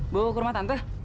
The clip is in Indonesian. bu ke rumah tante